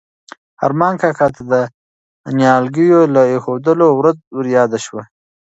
ارمان کاکا ته د نیالګیو د ایښودلو ورځ وریاده شوه.